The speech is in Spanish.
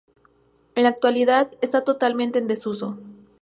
En la actualidad, está totalmente en desuso.